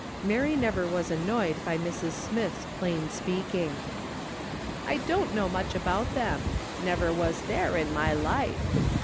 !Mary never was annoyed by Mrs. Smith's plain speaking. " I don't know much about them ; never was there in my life.